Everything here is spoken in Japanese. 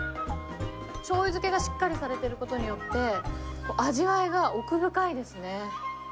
しょうゆ漬けがしっかりされてることによって、味わいが奥深いですね。